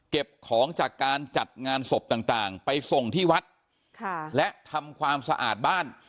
เก็บของจากการจัดงานสบต่างต่างไปส่งที่วัดค่ะและทำความสะอาดบ้าน